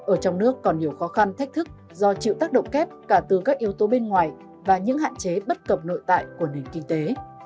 ở trong nước còn nhiều khó khăn thách thức do chịu tác động kép cả từ các yếu tố bên ngoài và những hạn chế bất cập nội tại của nền kinh tế